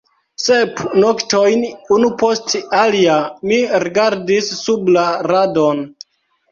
Sep noktojn unu post alia mi rigardis sub la radon.